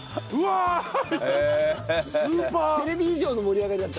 テレビ以上の盛り上がりだった？